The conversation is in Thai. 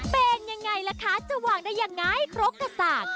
เป็นยังไงล่ะคะจะวางได้ยังไงครกกระสาก